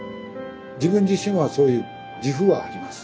自分自身はそういう自負はあります。